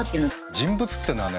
人物っていうのはね